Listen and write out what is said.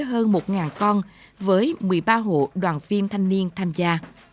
tổ hợp tác này đã lên tới hơn một con với một mươi ba hộ đoàn viên thanh niên tham gia